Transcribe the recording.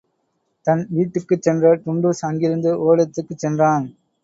தன் வீட்டுக்குச் சென்ற டுன்டுஷ் அங்கிருந்து ஓரிடத்திற்குச் சென்றான்.